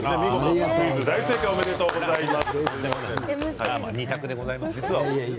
大正解おめでとうございます。